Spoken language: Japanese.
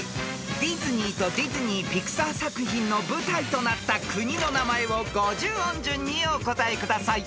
［ディズニーとディズニー・ピクサー作品の舞台となった国の名前を五十音順にお答えください］